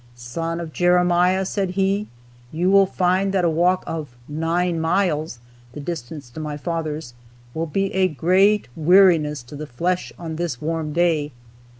"Son of Jeremiah," said he, "you will find that a walk of nine miles" (the distance to my father's) "will be a great weariness to the flesh on this warm day."